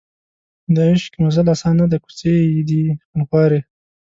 د عشق مزل اسان نه دی کوڅې یې دي خونخوارې